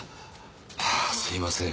ああすみません。